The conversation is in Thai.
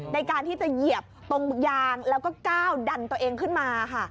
ในการที่จะเหยียบตรงยางแล้วก็ก้าวดันตัวเองขึ้นมาค่ะ